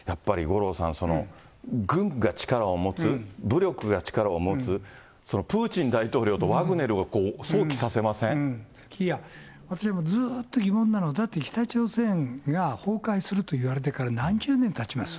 やっぱり五郎さん、その軍が力を持つ、武力が力を持つ、プーチン大統領とワグいや、私ずっと疑問なのは、だって北朝鮮が崩壊するといわれてから、何十年たちます？